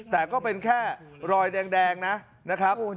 แต่ก็เป็นแค่รอยแดงนะครับ